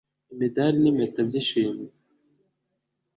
imidali, n'impeta by'ishimwe